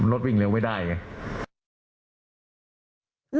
รถวิ่งเร็วไม่ได้ไง